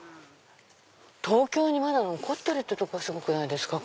東京にまだ残ってるってとこがすごくないですか？